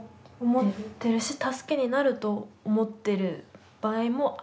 思ってるし助けになると思ってる場合もありますね。